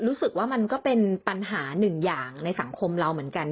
รู้สึกว่ามันก็เป็นปัญหาหนึ่งอย่างในสังคมเราเหมือนกัน